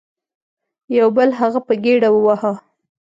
یو بل هغه په ګیډه وواهه.